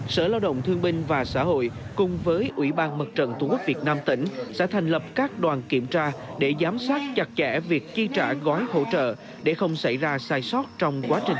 sở lao động thương binh và xã hội cùng với ủy ban mặt trận tổ quốc việt nam tỉnh sẽ thành lập các đoàn kiểm tra để giám sát chặt chẽ việc chi trả gói hỗ trợ để không xảy ra sai sót trong quá trình